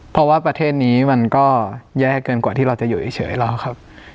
เพราะว่าประเทศนี้มันก็แย่เกินกว่าที่เราจะอยู่เฉยแล้วครับ